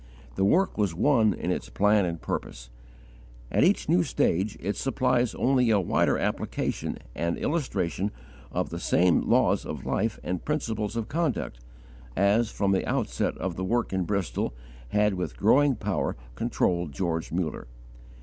The work was one in its plan and purpose. At each new stage it supplies only a wider application and illustration of the same laws of life and principles of conduct, as, from the outset of the work in Bristol, had with growing power controlled George Muller.